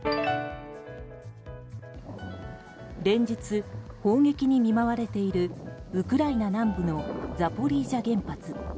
連日、砲撃に見舞われているウクライナ南部のザポリージャ原発。